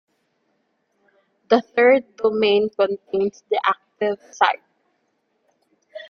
The third domain contains the active site.